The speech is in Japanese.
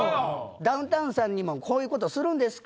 ダウンタウンさんにもこういうことするんですか？